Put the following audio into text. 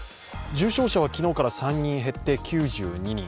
重症者は昨日から３人減って９２人。